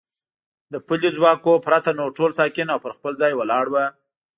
د پلیو ځواکونو پرته نور ټول ساکن او پر خپل ځای ولاړ و.